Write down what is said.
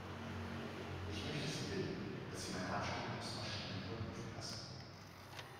Ich möchte Sie bitten, dass Sie meine Abstimmungsmaschine überprüfen lassen.